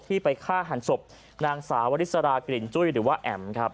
ไปฆ่าหันศพนางสาววริสรากลิ่นจุ้ยหรือว่าแอ๋มครับ